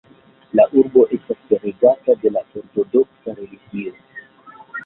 La urbo estas regata de la ortodoksa religio.